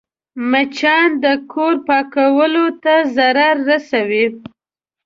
مچان د کور پاکوالي ته ضرر رسوي